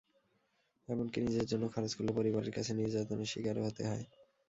এমনকি নিজের জন্য খরচ করলে পরিবারের কাছে নির্যাতনের শিকারও হতে হয়।